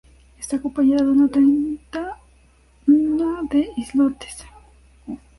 Está acompañada de una treintena de islotes.